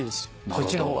そっちの方が。